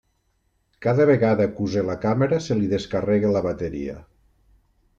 Cada vegada que usa la càmera se li descarrega la bateria.